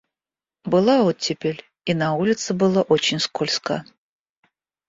Была оттепель, и на улице было очень скользко.